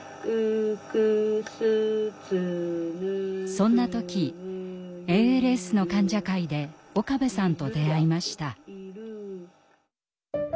そんな時ＡＬＳの患者会で岡部さんと出会いました。